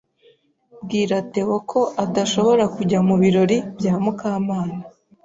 Bwira Theo ko adashobora kujya mubirori bya Mukamana.